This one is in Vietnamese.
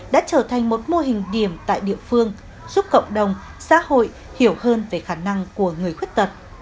đã trở thành một mô hình điểm tại địa phương giúp cộng đồng xã hội hiểu hơn về khả năng của người khuyết tật